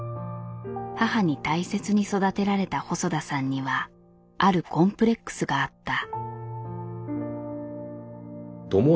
母に大切に育てられた細田さんにはあるコンプレックスがあった。